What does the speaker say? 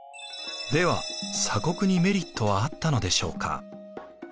では鎖国にメリットはあったのでしょうか？